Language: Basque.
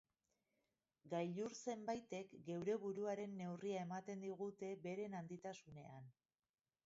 Gailur zenbaitek geure buruaren neurria ematen digute beren handitasunean.